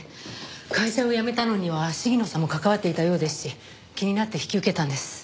会社を辞めたのには鴫野さんも関わっていたようですし気になって引き受けたんです。